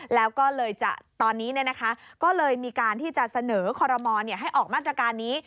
แล้วก็เลยจะตอนนี้ก็เลยมีการที่จะเสนอคอรมอลให้ออกมาตรการนี้